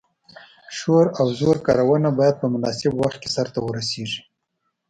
شور او زور کارونه باید په مناسب وخت کې سرته ورسیږي.